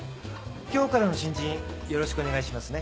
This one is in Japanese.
今日からの新人よろしくお願いしますね。